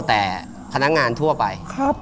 แต่พนักงานทั่วไป